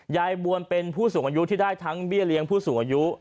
ยายบวนเป็นผู้สูงอายุที่ได้ทั้งเบี้ยเลี้ยงผู้สูงอายุ